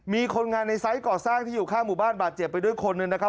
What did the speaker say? มีคนงานในไซส์ก่อสร้างที่อยู่ข้างหมู่บ้านบาดเจ็บไปด้วยคนหนึ่งนะครับ